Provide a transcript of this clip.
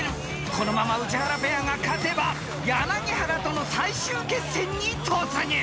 ［このまま宇治原ペアが勝てば柳原との最終決戦に突入］